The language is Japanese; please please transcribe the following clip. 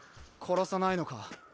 殺さないのか？